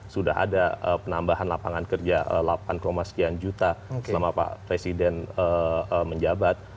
sudah ada penambahan lapangan kerja delapan sekian juta selama pak presiden menjabat